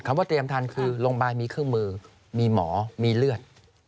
ว่าเตรียมทันคือโรงพยาบาลมีเครื่องมือมีหมอมีเลือด